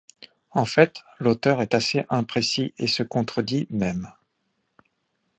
En fait, l’auteur est assez imprécis et se contredit même.